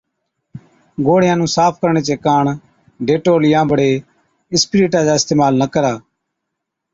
گوڙهِيان نُون صاف ڪرڻي چي ڪاڻ ڊيٽول يان بڙي اِسپرِيٽا چا اِستعمال نہ ڪرا